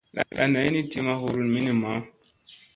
Lan ay ni ti ma hurun minimma.